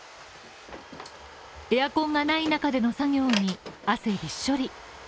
エアコンがない中での作業に、汗びっしょり。